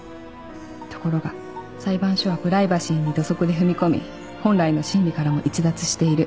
「ところが裁判所はプライバシーに土足で踏み込み本来の審理からも逸脱している」